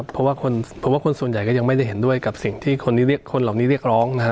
เพราะว่าผมว่าคนส่วนใหญ่ก็ยังไม่ได้เห็นด้วยกับสิ่งที่คนเหล่านี้เรียกร้องนะฮะ